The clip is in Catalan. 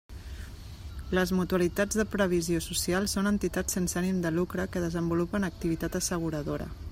Les mutualitats de previsió social són entitats sense ànim de lucre que desenvolupen activitat asseguradora.